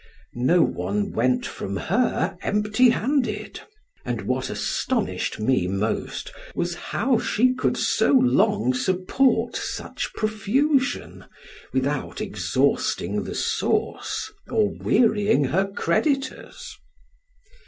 No one went from her empty handed; and what astonished me most was, how she could so long support such profusion, without exhausting the source or wearying her creditors.